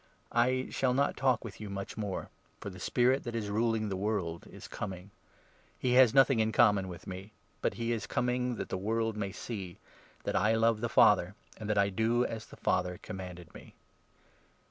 I shall not talk with you much more, 30 for the Spirit that is ruling the world is coming. He has nothing in common with me ; but he is coming that the world 31 may see that I love the Father, and that I do as the Father commanded me.